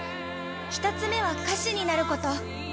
１つ目は歌手になること。